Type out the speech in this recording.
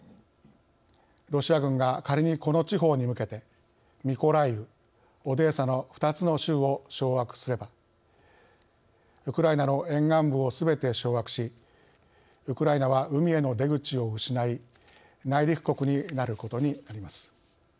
ロシア軍が仮にこの地方に向けてミコライウオデーサの２つの州を掌握すればウクライナの沿岸部をすべて掌握しウクライナは海への出口を失い内陸国になることになります。